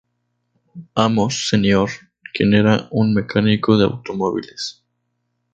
Amos Senior, quien era un mecánico de automóviles.